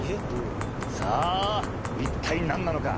さあ一体何なのか？